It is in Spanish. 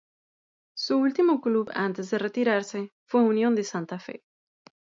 Su último club antes de retirarse fue Unión de Santa Fe.